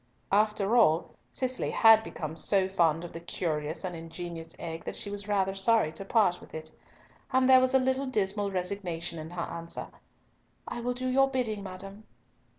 After all Cicely had become so fond of the curious and ingenious egg that she was rather sorry to part with it, and there was a little dismal resignation in her answer, "I will do your bidding, madam."